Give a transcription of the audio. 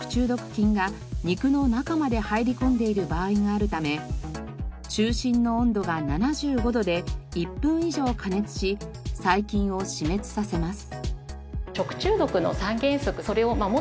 菌が肉の中まで入り込んでいる場合があるため中心の温度が７５度で１分以上加熱し細菌を死滅させます。